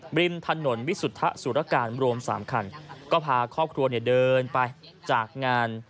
ริมถนนวิสุทธสุรการรวมสามคันก็พาครอบครัวเนี่ยเดินไปจากงาน